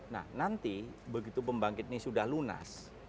nah nanti begitu pembangkit ini sudah lunas